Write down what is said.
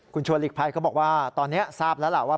คุณชวนหลีกภัยเขาบอกว่าตอนนี้ทราบแล้วล่ะว่า